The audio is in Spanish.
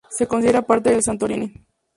Se considera parte del Santorini.